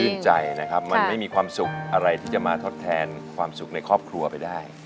ใจนะครับมันไม่มีความสุขอะไรที่จะมาทดแทนความสุขในครอบครัวไปได้